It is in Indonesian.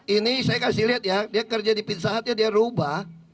ini saya kasih lihat ya dia kerja di pizza hutnya dia rubah